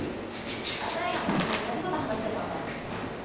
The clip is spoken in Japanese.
あたいらも昨日同じこと話してたんだ。